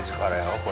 これ。